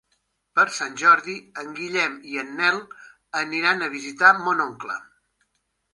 Per Sant Jordi en Guillem i en Nel aniran a visitar mon oncle.